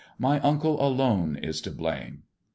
My uncle alone is to blame."